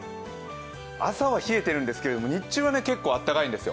朝は冷えているんですけれども日中は結構あったかいんですよ。